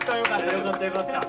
よかったよかった。